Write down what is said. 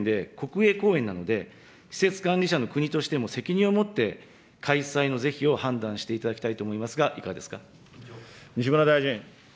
会場は国営まんのう公園で、国営公園なので、施設管理者の国としても責任を持って開催の是非を判断していただきたいと思いますが、いかがですか。